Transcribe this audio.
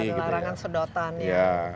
ada larangan sedotan ya